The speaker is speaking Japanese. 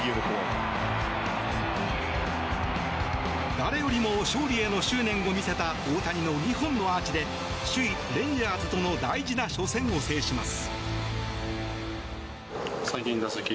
誰よりも勝利への執念を見せた大谷の２本のアーチで首位レンジャーズとの大事な初戦を制します。